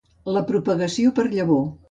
La propagació per llavor.